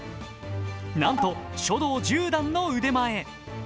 なんと、書道１０段の腕前。